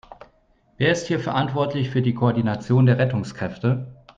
Wer ist hier verantwortlich für die Koordination der Rettungskräfte?